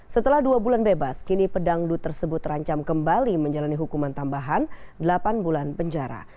setelah dua bulan bebas kini pedangdut tersebut terancam kembali menjalani hukuman tambahan delapan bulan penjara